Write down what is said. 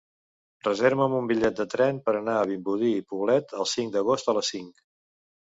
Reserva'm un bitllet de tren per anar a Vimbodí i Poblet el cinc d'agost a les cinc.